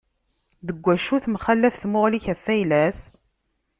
Deg acu temxalaf tmuɣli-k ɣef ayla-s?